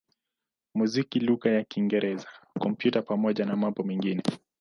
muziki lugha ya Kiingereza, Kompyuta pamoja na mambo mengine.